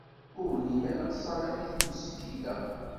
Ur llin ara ttẓallan deg tmesgida.